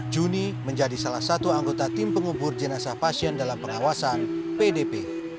juni menjadi salah satu anggota tim pengubur jenazah pasien dalam pengawasan pdp